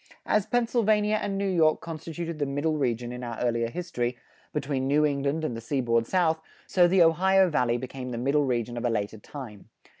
As Pennsylvania and New York constituted the Middle Region in our earlier history, between New England and the seaboard South, so the Ohio Valley became the Middle Region of a later time.